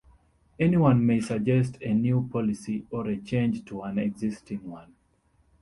Anyone may suggest a new policy or a change to an existing one.